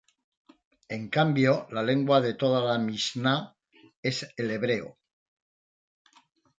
En cambio la lengua de toda la Mishná es el hebreo.